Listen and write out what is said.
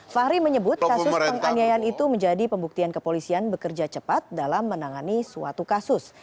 fahri menyebut kasus penganiayaan itu menjadi pembuktian kepolisian bekerja cepat dalam menangani suatu kasus